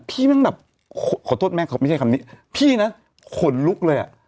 แม่งแบบขอโทษแม่เขาไม่ใช่คำนี้พี่นะขนลุกเลยอ่ะ